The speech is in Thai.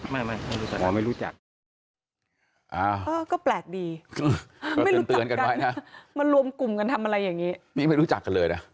ไม่ไม่รู้จักครับอ๋อไม่รู้จัก